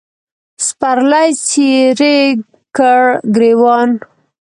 سپرلي څیرې کړ ګرېوان